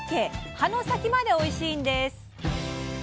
葉の先までおいしいんです。